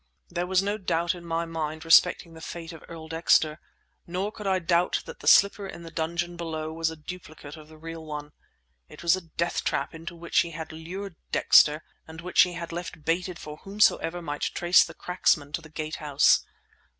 There was no doubt in my mind respecting the fate of Earl Dexter, nor could I doubt that the slipper in the dungeon below was a duplicate of the real one. It was a death trap into which he had lured Dexter and which he had left baited for whomsoever might trace the cracksman to the Gate House.